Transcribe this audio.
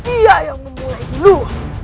ia yang memulai yang